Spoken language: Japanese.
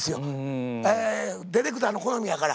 ディレクターの好みやから。